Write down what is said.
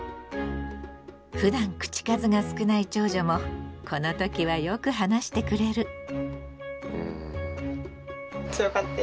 ふだん口数が少ない長女もこの時はよく話してくれる。